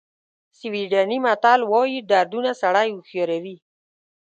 سویډني متل وایي دردونه سړی هوښیاروي.